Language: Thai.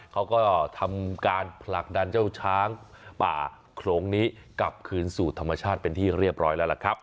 เขาก็ทำการผลักดันเจ้าช้างป่าโขลงนี้กลับคืนสู่ธรรมชาติเป็นที่เรียบร้อยแล้วล่ะครับ